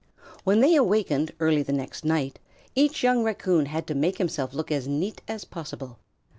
When they awakened, early the next night, each young Raccoon had to make himself look as neat as possible.